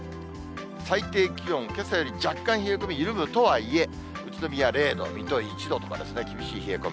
最低気温、けさより若干冷え込み緩むとはいえ、宇都宮０度、水戸１度とか、厳しい冷え込み。